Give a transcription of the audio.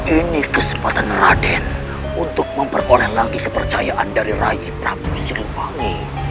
ini kesempatan raden untuk memperoleh lagi kepercayaan dari raih prabu siliwangi